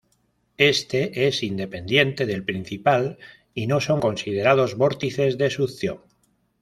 Éste es independiente del principal y no son considerados "vórtices de succión".